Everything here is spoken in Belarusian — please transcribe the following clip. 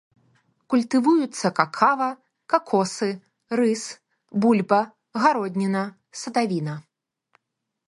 Культывуюцца какава, какосы, рыс, бульба, гародніна, садавіна.